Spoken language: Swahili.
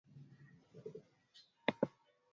mtu huyo alikaaa ndani ya maji kwa muda mrefu